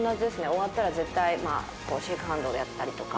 終わったら絶対シェイクハンドやったりとか。